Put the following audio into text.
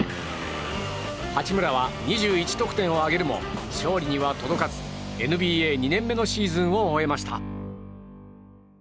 八村は２１得点を挙げるも勝利には届かずＮＢＡ２年目のシーズンを終えました。